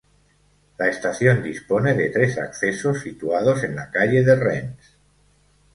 La estación dispone de tres accesos situados en la calle de Rennes.